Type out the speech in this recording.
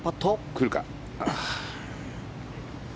来るか。